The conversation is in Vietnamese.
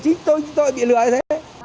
thì chính tôi bị lừa như thế